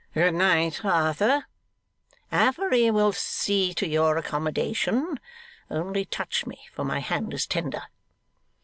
'Good night, Arthur. Affery will see to your accommodation. Only touch me, for my hand is tender.